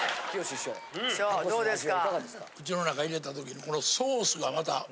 師匠どうですか？